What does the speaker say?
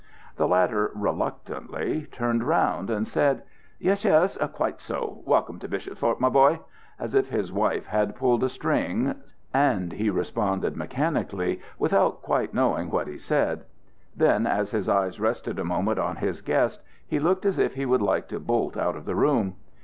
The latter reluctantly turned round, and said, "Yes, yes, quite so. Welcome to Bishopsthorpe, my boy," as if his wife had pulled a string, sand he responded mechanically, without quite knowing what he said. Then, as his eyes rested a moment on his guest, he looked as if he would like to bolt out of the room.